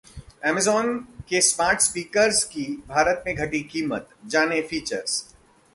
Amazon के smart speakers की भारत में घटी कीमत, जानें- फीचर्स